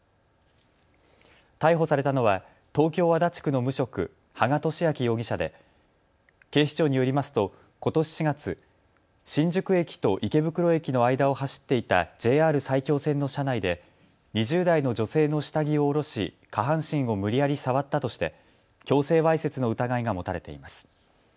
逮捕されたのは東京足立区の無職、羽賀聡明容疑者で警視庁によりますとことし４月、新宿駅と池袋駅の間を走っていたＪＲ埼京線の車内で２０代の女性の下着を下ろし下半身を無理やり触ったとして強制わいせつの疑いが持たれています。